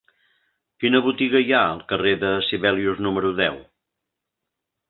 Quina botiga hi ha al carrer de Sibelius número deu?